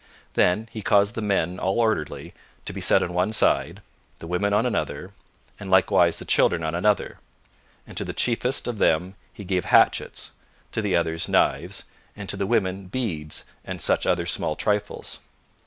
Then he caused the men all orderly to be set on one side, the women on another, and likewise the children on another, and to the chiefest of them he gave hatchets, to the others knives, and to the women beads and such other small trifles.